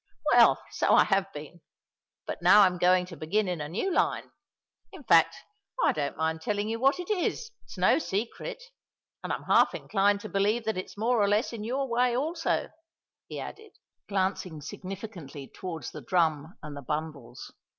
"Well, so I have been; but now I'm going to begin in a new line. In fact I don't mind telling you what it is—it's no secret; and I'm half inclined to believe that it's more or less in your way also," he added, glancing significantly towards the drum and the bundles.